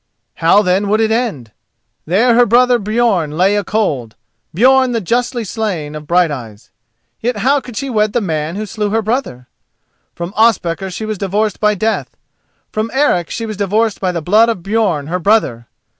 How, then, would it end? There her brother Björn lay a cold—Björn the justly slain of Brighteyes; yet how could she wed the man who slew her brother? From Ospakar she was divorced by death; from Eric she was divorced by the blood of Björn her brother!